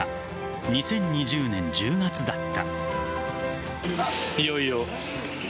２０２０年１０月だった。